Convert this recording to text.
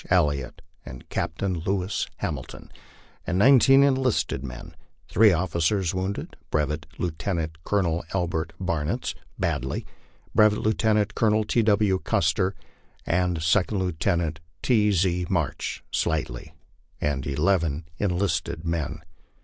Elliott and Captain I/niis McL. Hamilton, and nineteen enlisted men; three officers wounded, Brevet Lieutenant Col onel Albert Barnitz (badly), Brevet Lieutenant Colonel T. W. Custer, and Second Lieutenant T. E. March (slightly), and eleven enlisted men.